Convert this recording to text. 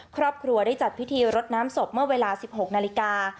ครอบครัวได้จัดพิธีรดน้ำศพเมื่อเวลา๑๖นาฬิกา